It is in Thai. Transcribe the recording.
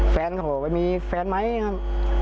แฟนโหมีแฟนไหมครับ